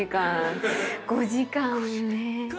５時間ね。